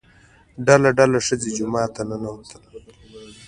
ډله ډله ښځینه جومات ته ننوتل.